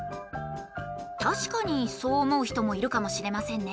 たしかにそう思う人もいるかもしれませんね。